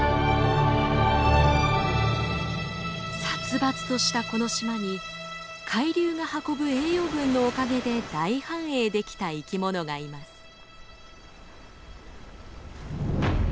殺伐としたこの島に海流が運ぶ栄養分のおかげで大繁栄できた生き物がいます。